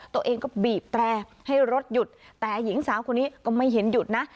ตัวเองก็บีบแตรให้รถหยุดแต่หญิงสาวคนนี้ก็ไม่เห็นหยุดนะ